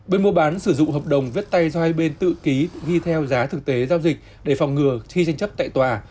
bên mua bán sử dụng hợp đồng viết tay do hai bên tự ký ghi theo giá thực tế giao dịch để phòng ngừa khi tranh chấp tại tòa